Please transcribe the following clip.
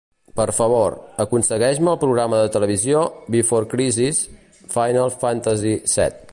Per favor, aconsegueix-me el programa de televisió "Before Crisis: Final Fantasy VII".